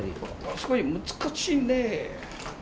すごい難しいね。